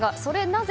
なぜ